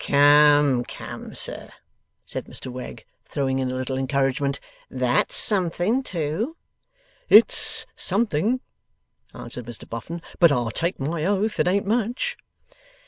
'Come, come, sir,' said Mr Wegg, throwing in a little encouragement, 'that's something, too.' 'It's something,' answered Mr Boffin, 'but I'll take my oath it ain't much.